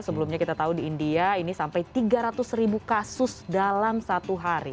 sebelumnya kita tahu di india ini sampai tiga ratus ribu kasus dalam satu hari